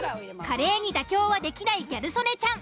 カレーに妥協はできないギャル曽根ちゃん。